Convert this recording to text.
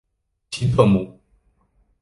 皮特姆。